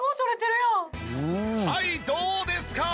はいどうですか？